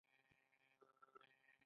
کاناډا د نکل فلز تولیدوي.